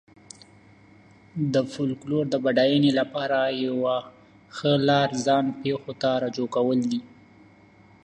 د فولکلور د بډاینې لپاره یوه ښه لار ځان پېښو ته رجوع کول دي.